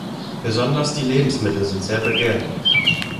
Besonders die Lebensmittel sind sehr begehrt.